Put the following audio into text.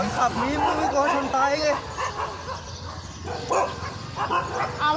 กลับมีมือกว่าชนตายแล้ว